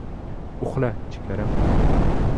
Uxla, jigarim.